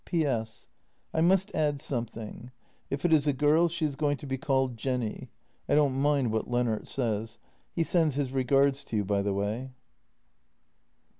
" P.S. — I must add something : If it is a girl she is going to be called Jenny. I don't mind what Lennart says. He sends his regards to you, by the way."